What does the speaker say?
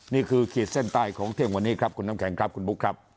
ขีดเส้นใต้ของเที่ยงวันนี้ครับคุณน้ำแข็งครับคุณบุ๊คครับ